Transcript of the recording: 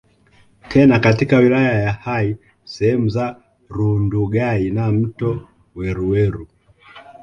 Tena katika wilaya ya Hai sehemu za Rundugai na mto Weruweru